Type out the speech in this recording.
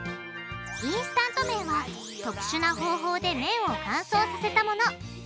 インスタントめんは特殊な方法でめんを乾燥させたもの。